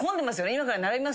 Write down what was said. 今から並びます？